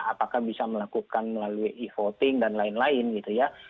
apakah bisa melakukan melalui e voting dan lain lain gitu ya